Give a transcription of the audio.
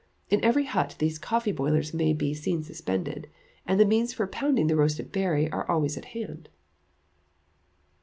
In every hut these coffee boilers may be seen suspended, and the means for pounding the roasted berry are always at hand.